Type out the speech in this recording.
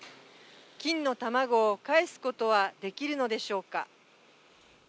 金の卵をかえすことはできるのでしょうか。